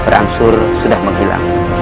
rangsur sudah menghilang